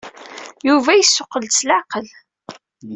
Yuba yessuqqul-d s leɛqel.